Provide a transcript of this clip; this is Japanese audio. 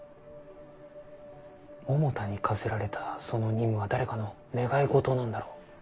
百田に課せられたその任務は誰かの願いごとなんだろう？